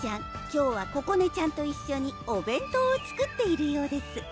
今日はここねちゃんと一緒にお弁当を作っているようです